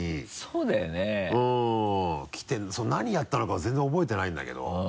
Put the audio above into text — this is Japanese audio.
うん来て何やったのかは全然覚えてないんだけど。